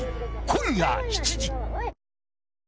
今夜７時。